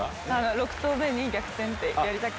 ６投目に逆転ってやりたくな